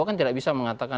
nah kalau kurang baik